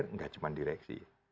tidak cuma direksi